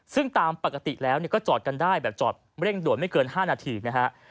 ซึ่งตามปกติแล้วก็จอดกันได้แบบจอดเร่งด่วนไม่เกิน๕นาทีนะฮะ